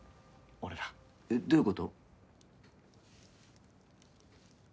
俺らえっどういうこと？